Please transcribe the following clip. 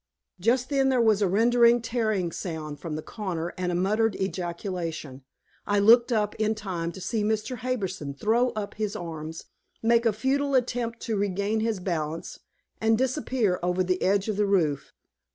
Just then there was a rending, tearing sound from the corner and a muttered ejaculation. I looked up in time to see Mr. Harbison throw up his arms, make a futile attempt to regain his balance, and disappear over the edge of the roof.